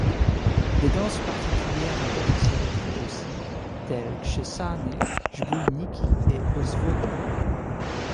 Des danses particulières à deux temps s’y retrouvent aussi telles krzesany, zbójnicki et ozwodna.